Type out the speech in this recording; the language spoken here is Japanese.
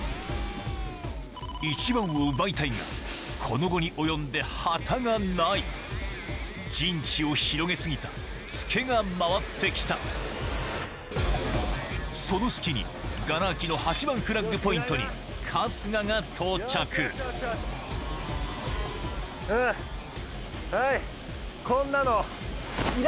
１番を奪いたいがこの期に及んで旗がない陣地を広げ過ぎたツケが回って来たその隙にガラ空きの８番フラッグポイントに春日が到着はい。